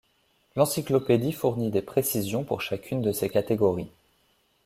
L'encyclopédie fournit des précisions pour chacune de ces catégories.